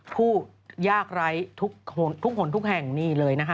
ผู้ยากไร้ทุกคนทุกแห่งนี่เลยนะคะ